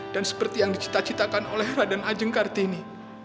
dan seperti yang dicita citakan oleh radan ajeng kartini